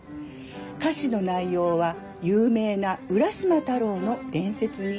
歌詞の内容は有名な浦島太郎の伝説に基づいています。